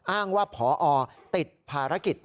อ้างว่าพอติดภารกิจ